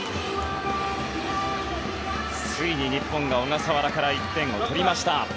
ついに日本が小笠原から１点を取りました。